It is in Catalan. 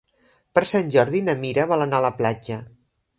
Per Sant Jordi na Mira vol anar a la platja.